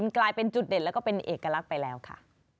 กลายเป็นจุดเด่นแล้วก็เป็นเอกลักษณ์ไปแล้วค่ะ